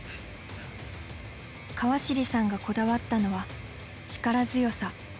川尻さんがこだわったのは力強さ。